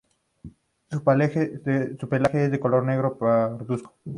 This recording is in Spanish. Su pelaje es de color negro parduzco.